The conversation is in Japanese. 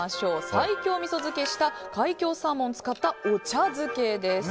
西京みそ漬けした海峡サーモンを使ったお茶漬けです。